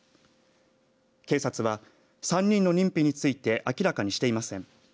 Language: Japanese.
警察は３人の認否について明らかにしていません。